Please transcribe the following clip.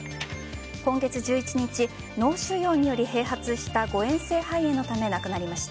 今月１１日脳腫瘍により併発した誤嚥性肺炎のため亡くなりました。